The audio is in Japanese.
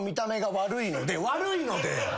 「悪いので」！？